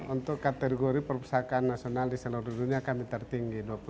untuk kategori perpustakaan nasional di seluruh dunia kami tertinggi